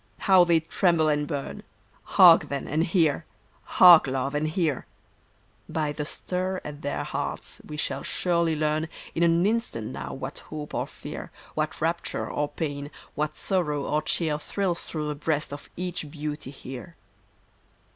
How they tremble and burn ! Hark, then, and hear ! Hark, Love, and hear ! By the stir at their hearts we shall surely learn In an instant now what hope or fear. What rapture or pain, what sorrow or cheer Thrills through the breast of each beauty here.